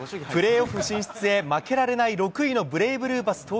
プレーオフ進出へ、負けられない６位のブレイブルーパス